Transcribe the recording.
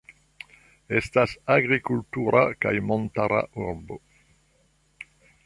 Estas agrikultura kaj montara urbo.